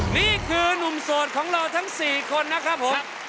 นี่คือนุ่มโสดของเราทั้ง๔คนนะครับผม